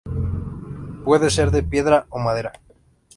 Puede ser de piedra o madera.